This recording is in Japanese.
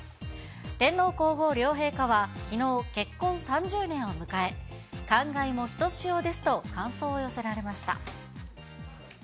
天皇皇后両陛下はきのう、結婚３０年を迎え、感慨もひとしおですと感想を寄せられました。